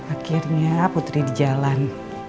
akhirnya putri di jalan